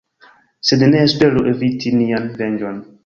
Sed ne esperu eviti nian venĝon.